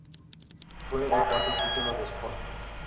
Fue el cuarto título de Sporting.